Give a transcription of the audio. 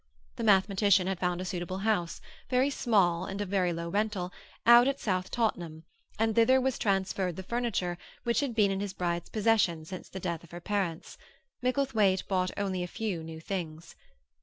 The mathematician had found a suitable house, very small and of very low rental, out at South Tottenham, and thither was transferred the furniture which had been in his bride's possession since the death of her parents; Micklethwaite bought only a few new things.